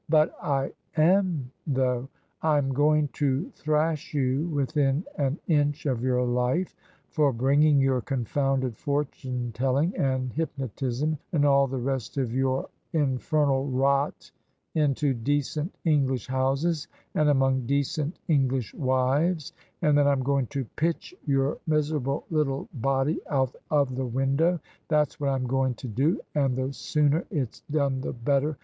" But I am, though. I'm going to thrash you within an inch of your life for bringing your confounded fortime telling and hypnotism and all the rest of your infernal rot into decent English houses, and among decent Englishmen's wives: and then I'm going to pitch your mis erable little body out of the window. That's what I'm going to do, and the sooner it's done the better!